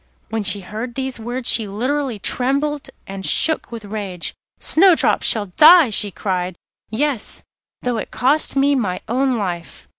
When she heard these words she literally trembled and shook with rage. 'Snowdrop shall die,' she cried; 'yes, though it cost me my own life.